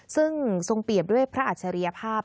ซึ่งทรงเปรียบด้วยพระอัจฉริยภาพ